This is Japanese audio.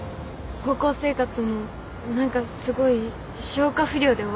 高校生活も何かすごい消化不良で終わっちゃって。